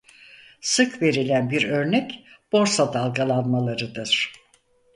Sık verilen bir örnek borsa dalgalanmalarıdır.